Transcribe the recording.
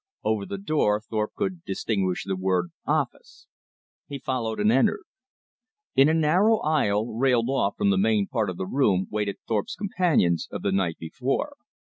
Over the door Thorpe could distinguish the word "Office." He followed and entered. In a narrow aisle railed off from the main part of the room waited Thorpe's companions of the night before.